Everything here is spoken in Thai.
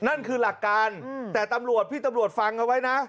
นั่นคือหลักการแต่ตำรวจพี่ตำรวจฟังเอาไว้นะ